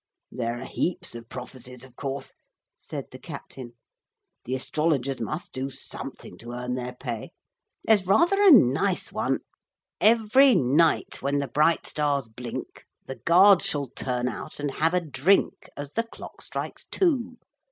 'There are heaps of prophecies of course,' said the captain; 'the astrologers must do something to earn their pay. There's rather a nice one: Every night when the bright stars blink The guards shall turn out, and have a drink As the clock strikes two.